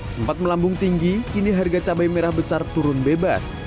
sempat melambung tinggi kini harga cabai merah besar turun bebas